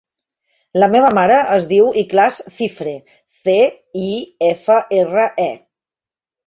La meva mare es diu Ikhlas Cifre: ce, i, efa, erra, e.